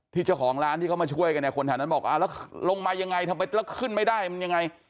ที่เจ้าของร้านที่เข้ามาช่วยกันเนี่ยคนแถวนั้นบอกลงมายังไงแล้วขึ้นไม่ได้มันยังไง